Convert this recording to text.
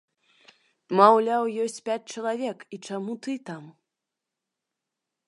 Маўляў, ёсць пяць чалавек і чаму ты там?